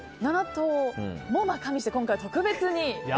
７頭も加味して今回は特別に。